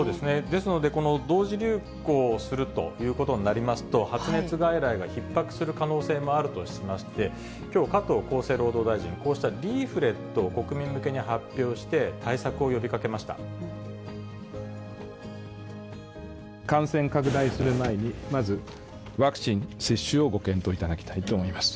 ですので、この同時流行するということになりますと、発熱外来がひっ迫する可能性もあるとしまして、きょう、加藤厚生労働大臣、こうしたリーフレットを国民向けに発表して、感染拡大する前に、まずワクチン接種をご検討いただきたいと思います。